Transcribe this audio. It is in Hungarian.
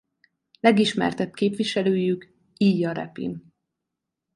Legismertebb képviselőjük Ilja Repin.